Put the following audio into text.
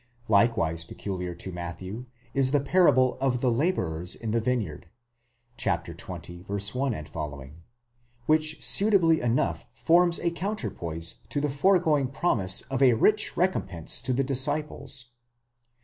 Likewise peculiar to Matthew is the parable of the labourers in the vineyard (xx. 1 ff.), which suitably enough forms a counterpoise to the foregoing promise of a rich recompense to the disciples.